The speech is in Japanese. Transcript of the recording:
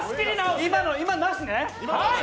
今のはなしね。